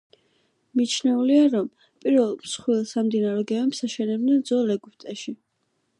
მიჩნეულია, რომ პირველ მსხვილ სამდინარო გემებს აშენებდნენ ძველ ეგვიპტეში.